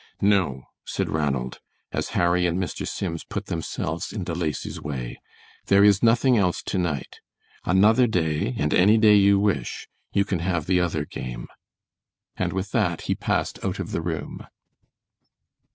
"No," said Ranald, as Harry and Mr. Sims put themselves in De Lacy's way, "there is nothing else to night; another day, and any day you wish, you can have the other game," and with that he passed out of the room.